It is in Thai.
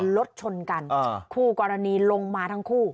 รถชนกันคู่กรณีลงมาทั้งคู่